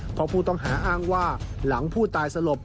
เพราะผู้ต้องหาอ้างว่าหลังผู้ตายสลบ